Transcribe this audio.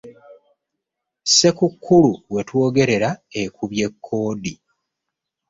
Ssekukkulu we twogerera ekubye kkoodi.